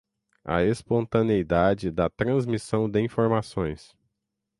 a espontaneidade na transmissão de informações